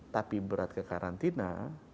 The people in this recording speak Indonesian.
tapi berat ke karantina